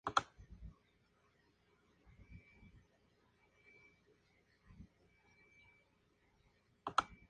Geográficamente está en la Sierra de San Vicente.